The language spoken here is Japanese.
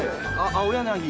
青柳。